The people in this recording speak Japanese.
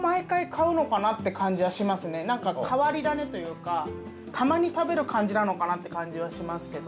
なんか変わり種というかたまに食べる感じなのかなって感じはしますけど。